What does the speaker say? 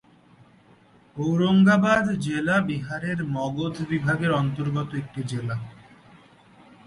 ঔরঙ্গাবাদ জেলা বিহারের মগধ বিভাগের অন্তর্গত একটি জেলা।